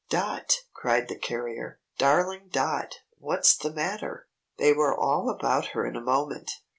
"Dot!" cried the carrier, "Darling Dot! What's the matter?" They were all about her in a moment.